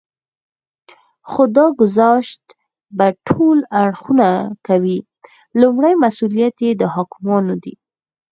خو دا ګذشت به ټول اړخونه کوي. لومړی مسئوليت یې د حاکمانو دی